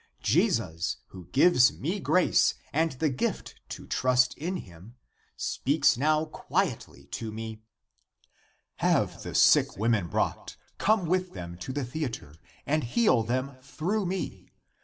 Jesus, who gives me grace and the gift to trust in Him, speaks now quietly to me :' Have the sick women brought, come with them to the theatre, and heal them through me!